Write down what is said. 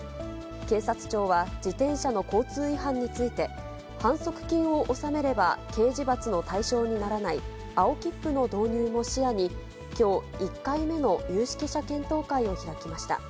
警察庁は、自転車の交通違反について、反則金を納めれば、刑事罰の対象にならない青切符の導入も視野に、きょう、１回目の有識者検討会を開きました。